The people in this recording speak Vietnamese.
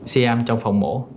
siam trong phòng mổ